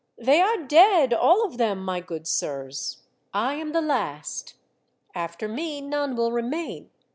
They are dead, all of them, my good sirs. I am the last. After me, none will remain.